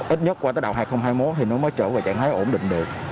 ít nhất qua tới đầu hai nghìn hai mươi một thì nó mới trở về trạng thái ổn định được